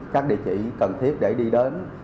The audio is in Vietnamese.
các địa chỉ cần thiết để đi đến